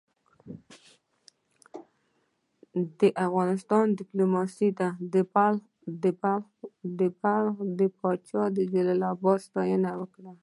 د افغانستان دیپلوماسي دې د بلخ د پاچا د جلال ساتنه وکړي.